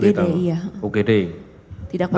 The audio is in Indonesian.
tidak pernah diberitakan